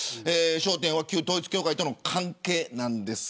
焦点は旧統一教会との関係です。